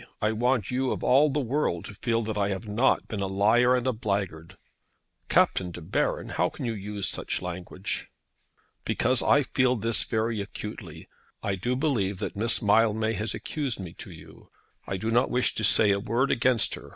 I want you of all the world to feel that I have not been a liar and a blackguard." "Captain De Baron! how can you use such language?" "Because I feel this very acutely. I do believe that Miss Mildmay has accused me to you. I do not wish to say a word against her.